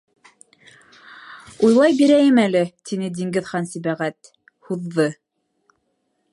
Уйлай бирәйем әле, тине Диңгеҙхан-Сибәғәт, һуҙҙы.